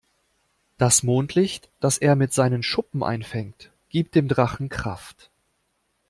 Das Mondlicht, das er mit seinen Schuppen einfängt, gibt dem Drachen Kraft.